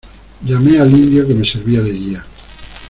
llamé al indio que me servía de guía.